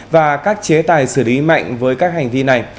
và các chế tài xử lý mạnh với các hành vi này